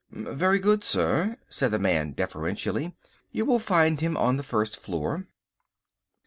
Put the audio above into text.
"Very good, sir," said the man deferentially. "You will find him on the first floor."